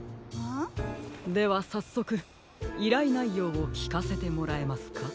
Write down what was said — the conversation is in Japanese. ではさっそくいらいないようをきかせてもらえますか？